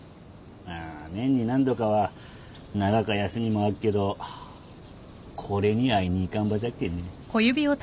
あ年に何度かは長か休みもあっけどこれに会いに行かんばじゃっけんね。